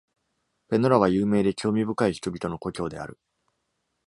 Penola は有名で興味深い人々の故郷である。